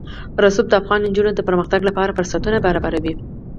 رسوب د افغان نجونو د پرمختګ لپاره فرصتونه برابروي.